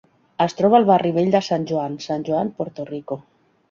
Es troba al barri vell de San Juan, San Juan, Puerto Rico.